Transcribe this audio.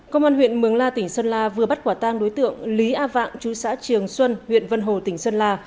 công an huyện mường la tỉnh sơn la vừa bắt quả tang đối tượng lý a vạng chú xã trường xuân huyện vân hồ tỉnh sơn la